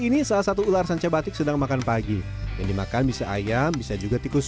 ini salah satu ular sanca batik sedang makan pagi yang dimakan bisa ayam bisa juga tikus